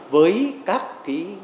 với các cái